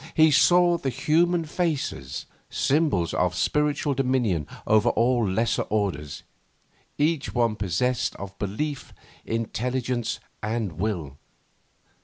He saw the human faces, symbols of spiritual dominion over all lesser orders, each one possessed of belief, intelligence and will.